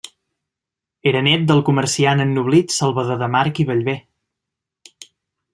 Era nét del comerciant ennoblit Salvador de March i Bellver.